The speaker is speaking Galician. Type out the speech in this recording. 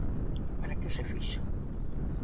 ¿Para que se fixo?